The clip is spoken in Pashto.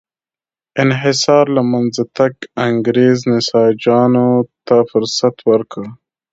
انحصار له منځه تګ انګرېز نساجانو ته فرصت ورکړ.